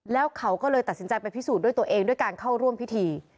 แล้วเขาก็เลยตัดสินใจไปพิสูจน์ด้วยตัวเองด้วยการเข้าร่วมพิธี